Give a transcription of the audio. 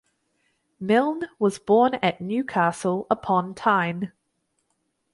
Milne was born at Newcastle upon Tyne.